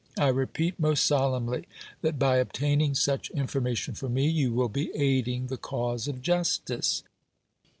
I repeat most solemnly, that by obtaining such information for me you will be aiding the cause of justice."